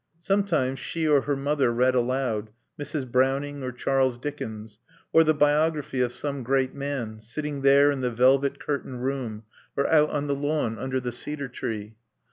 Sometimes she or her mother read aloud, Mrs. Browning or Charles Dickens; or the biography of some Great Man, sitting there in the velvet curtained room or out on the lawn under the cedar tree.